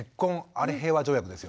あれ平和条約ですよね。